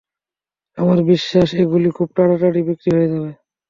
আমার বিশ্বাস, এগুলি খুব তাড়াতাড়ি বিক্রী হয়ে যাবে।